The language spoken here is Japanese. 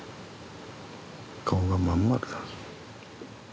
顔が真ん丸だ。